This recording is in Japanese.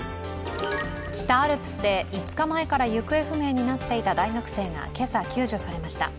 北アルプスで５日前から行方不明になっていた大学生が今朝救助されました。